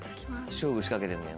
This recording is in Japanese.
勝負仕掛けてんのよ